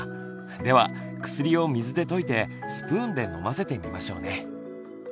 では薬を水で溶いてスプーンで飲ませてみましょうね。